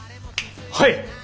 はい！